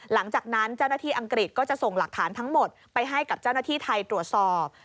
หลังจากนั้นเจ้าหน้าที่อังกฤษก็จะส่งหลักฐานทั้งหมดไปให้กับเจ้าหน้าที่ไทยตรวจสอบ